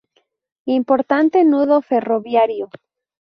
Importante nudo ferroviario.